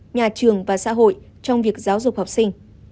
nhà trường và xã hội trong việc giáo dục học sinh